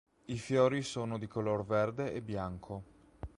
I fiori sono di color verde e bianco.